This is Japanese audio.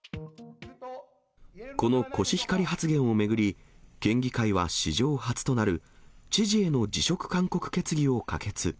このコシヒカリ発言を巡り、県議会は史上初となる知事への辞職勧告決議を可決。